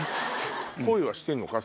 恋はしてるのか？